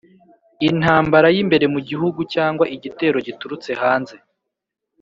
intambara y'imbere mu gihugu cyangwa igitero giturutse hanze?